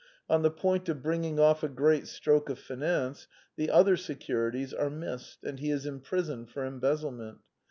On the point of bringing off a great stroke of finance, the other securities are missed; and he is imprisoned for embezzlement.